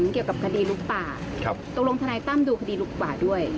เกี่ยวกับคดีลุกป่าตกลงทนายตั้มดูคดีลุกป่าด้วย